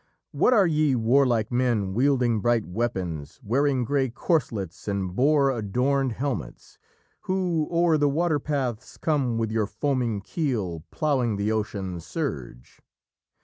"What are ye warlike men wielding bright weapons, Wearing grey corselets and boar adorned helmets, Who o'er the water paths come with your foaming keel Ploughing the ocean surge?